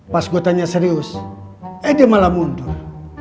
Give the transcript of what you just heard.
pas gue tanya serius eh dia malah mundur